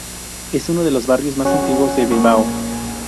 Es uno de los barrios más antiguos de Bilbao.